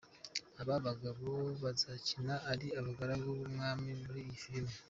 Aba bagabo bazakina ari abagaragu b'umwami muri iyi filime.